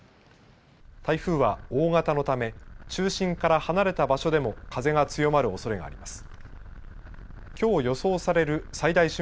台風は大型のため中心から離れた場所でも風が強まるおそれがあります。